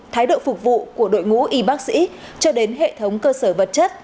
thái độ phục vụ của đội ngũ y bác sĩ cho đến hệ thống cơ sở vật chất